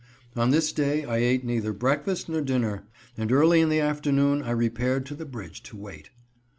On this day I ate neither breakfast nor dinner, and early in the afternoon I repaired to the bridge to wait.